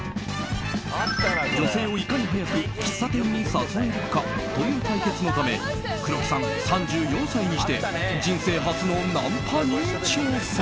女性をいかに早く喫茶店に誘えるかという対決のため黒木さん、３４歳にして人生初のナンパに挑戦。